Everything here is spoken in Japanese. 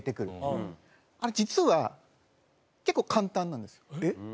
あれ実は結構簡単なんですよ。